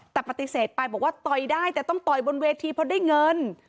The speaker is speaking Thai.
แต่ปฏิเสธไปบอกว่าต่อยได้แต่ต้องต่อยบนเวทีเพราะได้เงิน